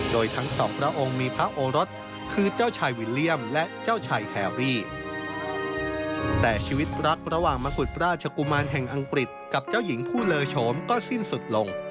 โดยทั้งสองพระองค์มีพระโอรสคือเจ้าชายวิลเลี่ยมและเจ้าชายแฮรี่แต่ชีวิตรักระหว่างมกุฎราชกุมารแห่งอังกฤษกับเจ้าหญิงผู้เลอโฉมก็สิ้นสุดลง